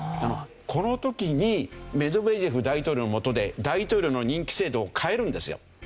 この時にメドベージェフ大統領の下で大統領の任期制度を変えるんですよ。